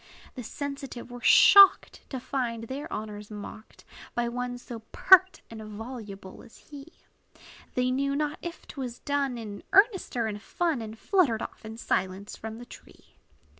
The sensitive were shocked, To find their honors mocked By one so pert and voluble as he; They knew not if 't was done In earnest or in fun; And fluttered off in silence from the tree.